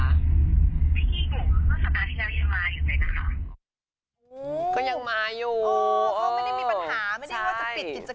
พี่กิ้งเหรอเมื่อสัปดาห์ที่แล้วยังมาอยู่เลยนะคะ